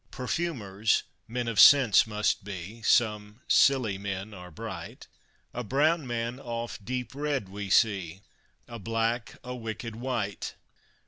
Perfumers, men of scents must be, some Scilly men are bright; A brown man oft deep read we see, a black a wicked wight.